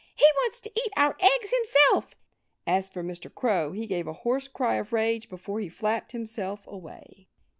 "He wants to eat our eggs himself." As for Mr. Crow, he gave a hoarse cry of rage, before he flapped himself away.